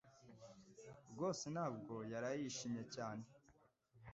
rwose ntabwo yaraye yishimye cyane.